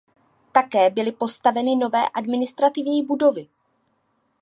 Také byly postaveny nové administrativní budovy.